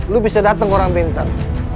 lu bisa dateng ke orang pintar